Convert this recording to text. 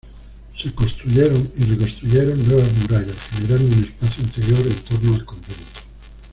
Se construyeron y reconstruyeron nuevas murallas generando un espacio interior en torno al convento.